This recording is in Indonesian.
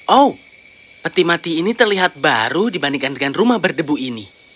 oh peti mati ini terlihat baru dibandingkan dengan rumah berdebu ini